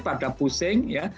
pada pusing ya